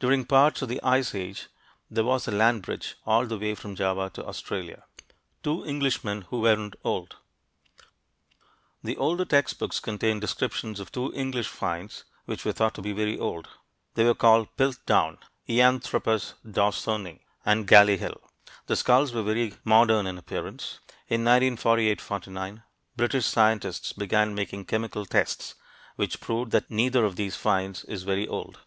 During parts of the Ice Age there was a land bridge all the way from Java to Australia. TWO ENGLISHMEN WHO WEREN'T OLD The older textbooks contain descriptions of two English finds which were thought to be very old. These were called Piltdown (Eoanthropus dawsoni) and Galley Hill. The skulls were very modern in appearance. In 1948 49, British scientists began making chemical tests which proved that neither of these finds is very old.